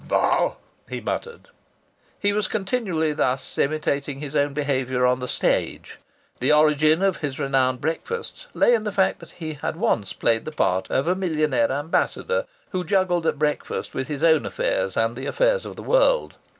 "Bah!" he muttered. He was continually thus imitating his own behaviour on the stage. The origin of his renowned breakfasts lay in the fact that he had once played the part of a millionaire ambassador who juggled at breakfast with his own affairs and the affairs of the world.